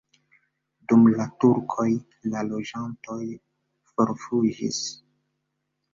Dum la turkoj la loĝantoj forfuĝis.